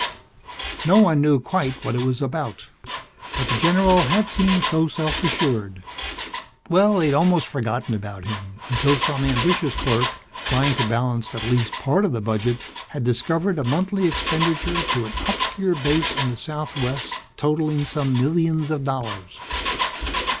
No one knew quite what it was about, but the general had seemed so self assured that Well, they'd almost forgotten about him until some ambitious clerk, trying to balance at least part of the budget, had discovered a monthly expenditure to an obscure base in the southwest totalling some millions of dollars.